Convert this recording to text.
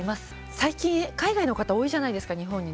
最近、海外の方多いじゃないですか、日本に。